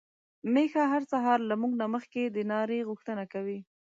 ميښه هر سهار له موږ نه مخکې د ناري غوښتنه کوي.